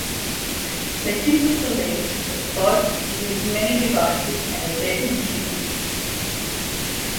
They simply believed that the gods used many devices as their instruments.